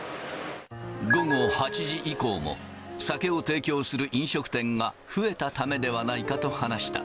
午後８時以降も、酒を提供する飲食店が増えたためではないかと話した。